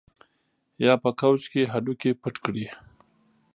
یا په کوچ کې هډوکي پټ کړي